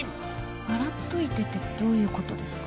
笑っといてってどういうことですか？